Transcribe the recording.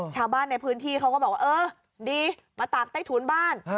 ชาวบ้านในพื้นที่เขาก็บอกว่าเออดีมาตากใต้ถุนบ้าน